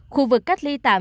khu vực cách ly tạm